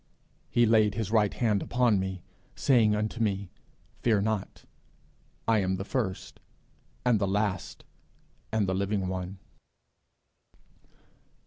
'He laid his right hand upon me, saying unto me, Fear not; I am the first and the last, and the living one.'